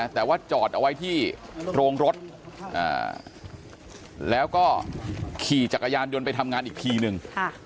แต่ว่าจอดเอาไว้ที่โรงรถแล้วก็ขี่จักรยานยนต์ไปทำงานอีกทีนึง